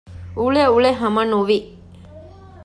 އުޅެއުޅެ ހަމަ ނުވި